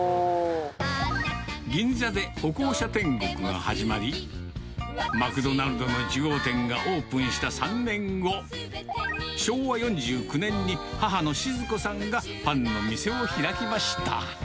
銀座で歩行者天国が始まり、マクドナルドの１号店がオープンした３年後、昭和４９年に、母の静子さんが、パンの店を開きました。